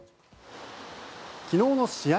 昨日の試合